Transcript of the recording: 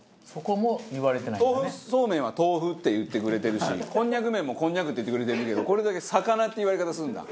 豆腐そうめんは「豆腐」って言ってくれてるしこんにゃく麺も「こんにゃく」って言ってくれてるけどこれだけ「魚」って言われ方するんだ。